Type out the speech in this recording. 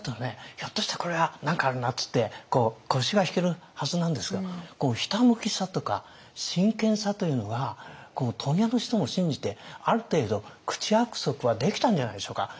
ひょっとしたらこれは何かあるなっていって腰が引けるはずなんですがひたむきさとか真剣さというのが問屋の人も信じてある程度口約束はできたんじゃないでしょうか。